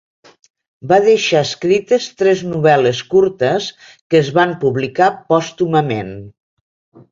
Va deixar escrites tres novel·les curtes que es van publicar pòstumament.